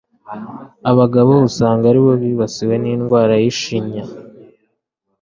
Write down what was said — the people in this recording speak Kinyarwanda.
Abagabo usanga ari bo bibasiwe n'indwara y'ishinya